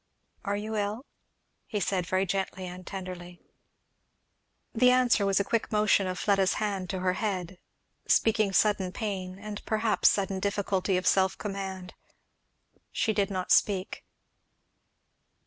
"Are you ill?" he said, very gently and tenderly. The answer was a quick motion of Fleda's hand to her head, speaking sudden pain, and perhaps sudden difficulty of self command. She did not speak.